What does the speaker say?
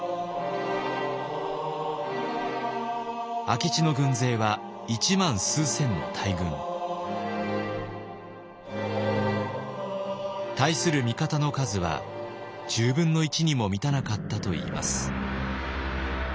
明智の軍勢は一万数千の大軍。対する味方の数は１０分の１にも満たなかったといいます。